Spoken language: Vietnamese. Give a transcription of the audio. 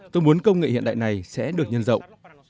tôi muốn công nghệ hiện đại này sẽ được nhân rộng